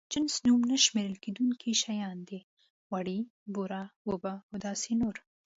جنس نوم نه شمېرل کېدونکي شيان دي: غوړي، بوره، اوبه او داسې نور.